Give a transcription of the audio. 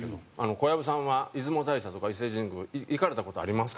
「小籔さんは出雲大社とか伊勢神宮行かれた事ありますか？」